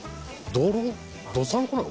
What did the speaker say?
どさんこなの？